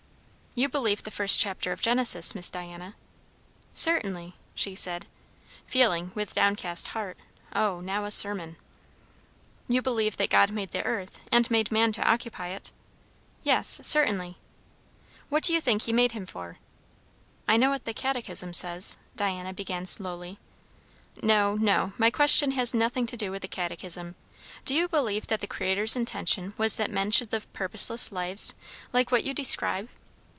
"You believe the first chapter of Genesis, Miss Diana?" "Certainly," she said, feeling with downcast heart, "O, now a sermon!" "You believe that God made the earth, and made man to occupy it?" "Yes certainly." "What do you think he made him for?" "I know what the catechism says," Diana began slowly. "No, no; my question has nothing to do with the catechism. Do you believe that the Creator's intention was that men should live purposeless lives, like what you describe?"